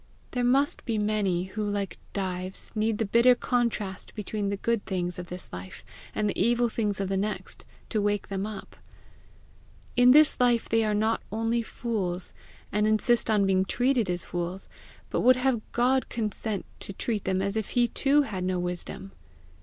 There must be many who, like Dives, need the bitter contrast between the good things of this life and the evil things of the next, to wake them up. In this life they are not only fools, and insist on being treated as fools, but would have God consent to treat them as if he too had no wisdom!